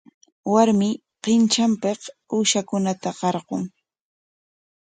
Warmi qintranpik uushankunata qarqun.